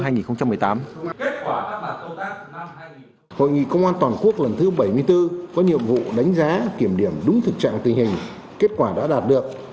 hội nghị công an toàn quốc lần thứ bảy mươi bốn có nhiệm vụ đánh giá kiểm điểm đúng thực trạng tình hình kết quả đã đạt được